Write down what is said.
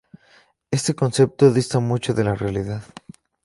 Este concepto dista mucho de la realidad.